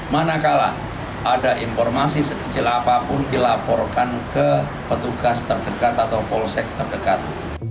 manakala ada informasi sekecil apapun dilaporkan ke petugas terdekat atau polsek terdekat